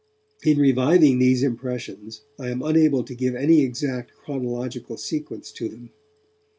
In reviving these impressions, I am unable to give any exact chronological sequence to them.